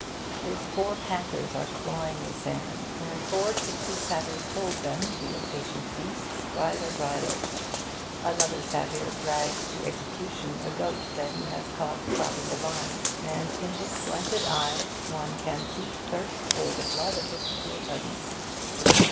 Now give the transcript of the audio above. His four panthers are clawing the sand, and four tipsy Satyrs hold them, the impatient beasts, by their bridles. Another Satyr drags to execution a goat that he has caught cropping the vine; and in his slanted eyes one can see thirst for the blood of his poor cousin.